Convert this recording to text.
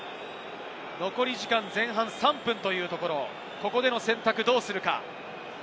残り時間、前半３分というところ、ここでの選択どうするか？